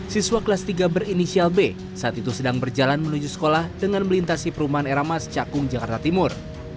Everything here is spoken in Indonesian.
siswa kelas tiga berinisial b saat itu sedang berjalan menuju sekolah dengan melintasi perumahan era mas cakung jakarta timur